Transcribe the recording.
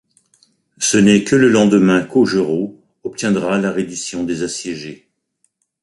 Ce n'est que le lendemain qu'Augereau obtiendra la reddition des assiégés.